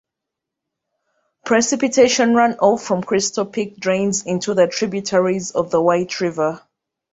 Precipitation runoff from Crystal Peak drains into tributaries of the White River.